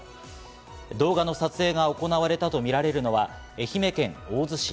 動画の撮影が行われたとみられるのは、愛媛県大洲市。